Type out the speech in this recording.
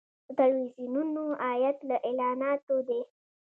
د تلویزیونونو عاید له اعلاناتو دی